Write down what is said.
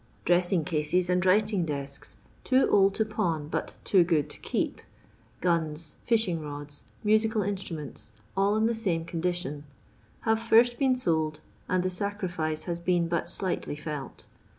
Dressing cases and writing desks, too old to pawn but too good to keep ; guns, fishing rods, musical instruments, all in the same condition ; have first been sold, and the sacrifice has been but slightly felt.